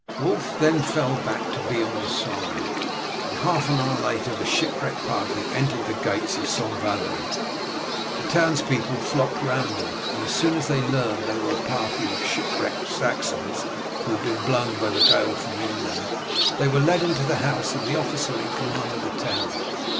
Wulf then fell back to Beorn's side, and half an hour later the shipwrecked party entered the gates of St. Valery. The townspeople flocked round them, and as soon as they learned that they were a party of shipwrecked Saxons who had been blown by the gale from England, they were led to the house of the officer in command of the town.